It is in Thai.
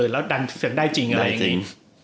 แล้วดันได้จริงอะไรอย่างนี้